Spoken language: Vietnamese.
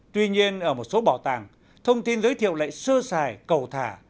tuy nhiên ở một số bảo tàng thông tin giới thiệu lại sơ xài cầu thả